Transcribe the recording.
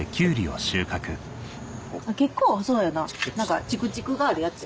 結構多そうやな何かチクチクがあるやつ。